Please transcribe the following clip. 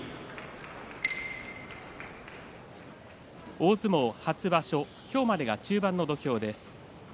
大相撲初場所、今日までが中盤の土俵です。